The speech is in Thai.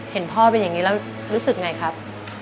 เห็นพ่อเป็นอย่างนี้แล้วรู้สึกไงครับ